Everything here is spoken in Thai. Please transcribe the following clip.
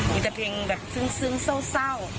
มีแต่เพลงแบบซึ้งเศร้า